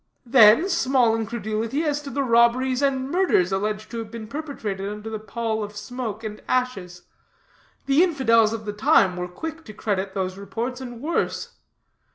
"Then small incredulity as to the robberies and murders alleged to have been perpetrated under the pall of smoke and ashes. The infidels of the time were quick to credit those reports and worse.